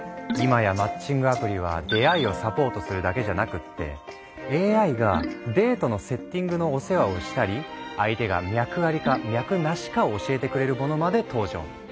今やマッチングアプリは出会いをサポートするだけじゃなくってＡＩがデートのセッティングのお世話をしたり相手が脈アリか脈ナシか教えてくれるものまで登場。